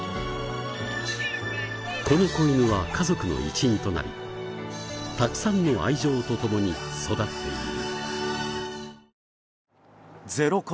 この子犬は家族の一員となりたくさんの愛情と共に育っている。